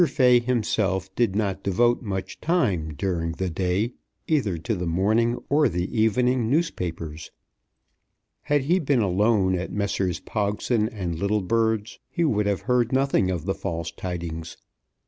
Fay himself did not devote much time during the day either to the morning or the evening newspapers. Had he been alone at Messrs. Pogson and Littlebird's he would have heard nothing of the false tidings.